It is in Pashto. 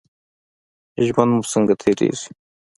ژوند مو څنګه تیریږي؟